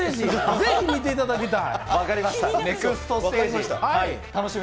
ぜひ、見ていただきたい。